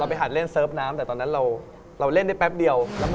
เอาล่ะคือสิบรอดมาขนาดนี้ดูแล้วว่าต้องเสียนมาก